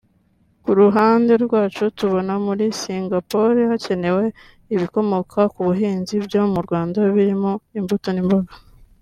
Ku ruhande rwacu tubona muri Singapore hakenewe ibikomoka ku buhinzi byo mu Rwanda birimo imbuto n’imboga